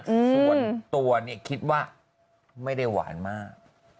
ส่วนตัวเนี่ยคิดว่าไม่ได้หวานมาก